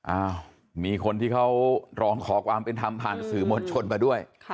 อ้าวมีคนที่เขาร้องขอความเป็นธรรมผ่านสื่อมวลชนมาด้วย